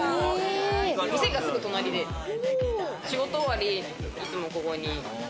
店がすぐ隣で、仕事終わり、いつもここに。